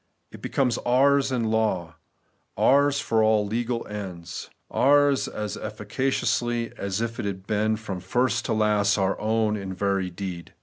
It becomes ours in law; ours for all legal ends ; ours as efi&caciously as if it had been from first to last our own in very deed.